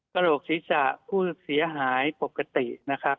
กระโหลกศีรษะผู้เสียหายปกตินะครับ